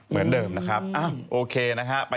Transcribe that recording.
เหมือนเดิมนะครับโอเคนะฮะ